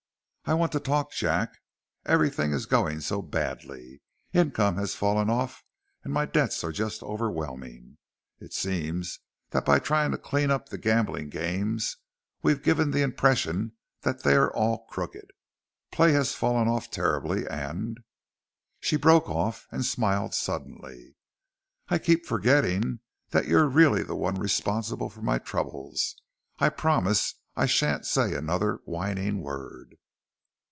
"I want to talk, Jack. Everything is going so badly. Income has fallen off and my debts are just overwhelming. It seems that by trying to clean up the gambling games we've given the impression that they are all crooked. Play has fallen off terribly and...." She broke off and smiled suddenly. "I keep forgetting that you're really the one responsible for my troubles. I promise I shan't say another whining word."